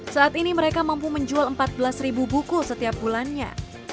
saat ini mereka mampu menjual empat belas buku setiap bulannya